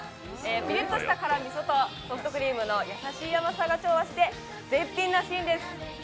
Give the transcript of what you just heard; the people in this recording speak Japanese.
ピリッとした辛味噌とソフトクリームの優しい甘さが調和して絶品らしいんです。